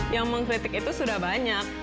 yang mengkritik itu sudah banyak